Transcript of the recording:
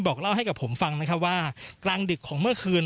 เล่าให้กับผมฟังนะครับว่ากลางดึกของเมื่อคืน